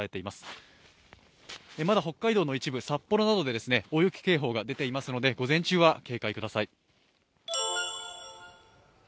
まだ北海道の一部、札幌などで大雪警報が出ていますので、午前中は警戒ください。